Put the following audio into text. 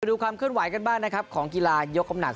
ดูความเคลื่อนไหวขนบ้างของกีฬายก้ำหนัก